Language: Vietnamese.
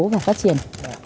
và phát triển